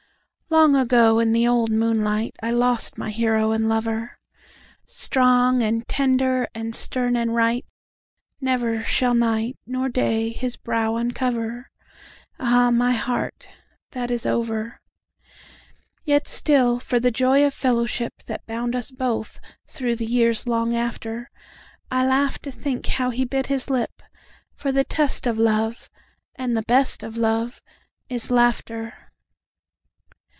Long ago, in the old moonlight,I lost my hero and lover; Strong and tender and stern and right, Never shall nightNor day his brow uncover. Ah, my heart, that is over! Yet still, for joy of the fellowshipThat bound us both through the years long after,I laugh to think how he bit his lip; For the test of love—And the best of love—is laughter.